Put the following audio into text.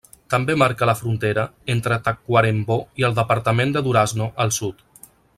També marca la frontera entre Tacuarembó i el departament de Durazno, al sud.